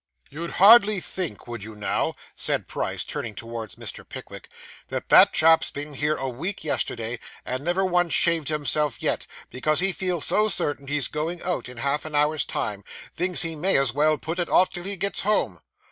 'You'd hardly think, would you now,' said Price, turning towards Mr. Pickwick, 'that that chap's been here a week yesterday, and never once shaved himself yet, because he feels so certain he's going out in half an hour's time, thinks he may as well put it off till he gets home?